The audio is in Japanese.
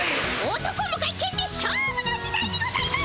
男も外見で勝負の時代にございます！